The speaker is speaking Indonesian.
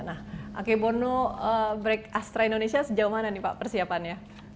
nah akebono break astra indonesia sejauh mana nih pak persiapannya